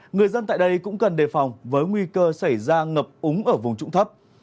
người dân tại đây cũng cần đề phòng với nguy cơ xảy ra ngập úng ở vùng trụng thấp